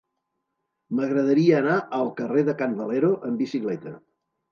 M'agradaria anar al carrer de Can Valero amb bicicleta.